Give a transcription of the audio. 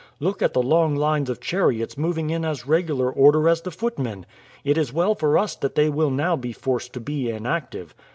Look at the long line of chariots moving in as regular order as the footmen. It is well for us that they will now be forced to be inactive.